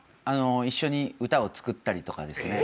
一緒に歌を作ったりとかですね。